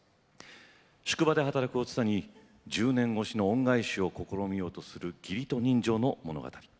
宿場で働く、お蔦に１０年越しの恩を返そうとする義理と人情の物語。